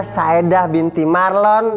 saedah binti marlon